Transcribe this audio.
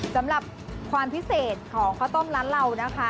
สำหรับความพิเศษของข้าวต้มร้านเรานะคะ